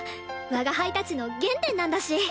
我が輩たちの原点なんだし。